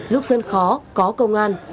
lúc dân khó có công an